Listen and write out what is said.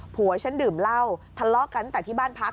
ผัวฉันดื่มเหล้าทะเลาะกันตั้งแต่ที่บ้านพัก